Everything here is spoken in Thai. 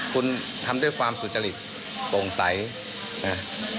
คุณทำด้วยความสุจริตโปร่งใสนะ